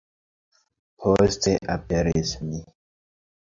Poste aperis mi.